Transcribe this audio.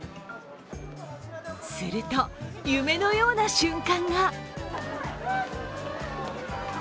すると、夢のような瞬間が。